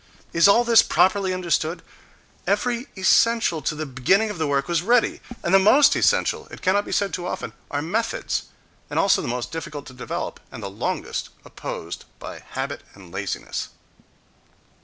Is all this properly understood? Every essential to the beginning of the work was ready:—and the most essential, it cannot be said too often, are methods, and also the most difficult to develop, and the longest opposed by habit and laziness.